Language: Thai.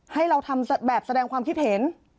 ให้เราทำแบบแสดงความคิดเห็น